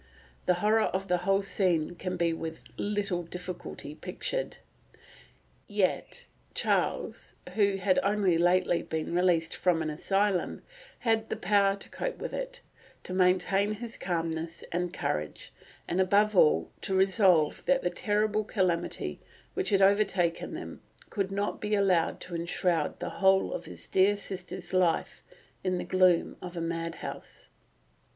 The horror of the whole scene can be with difficulty pictured. Yet Charles, who had only lately been released from an asylum, had the power to cope with it, to maintain his calmness and courage, and above all to resolve that the terrible calamity which had overtaken them should not be allowed to enshroud the whole of his dear sister's life in the gloom of a madhouse.